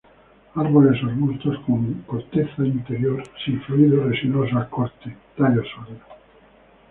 Árboles o arbustos, con corteza interior sin fluido resinoso al corte; tallos sólidos.